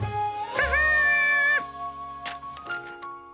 ハハ！